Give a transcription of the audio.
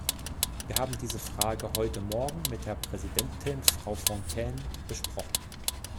Wir haben diese Frage heute morgen mit der Präsidentin Frau Fontaine besprochen.